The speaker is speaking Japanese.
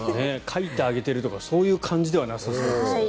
かいてあげてるとかそういう感じではなさそうですけど。